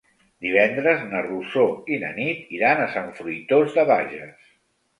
Divendres na Rosó i na Nit iran a Sant Fruitós de Bages.